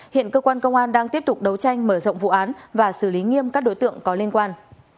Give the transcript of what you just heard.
hiện cơ quan công an đang tiếp tục đấu tranh mở rộng vụ án và xử lý nghiêm các đối tượng có liên quan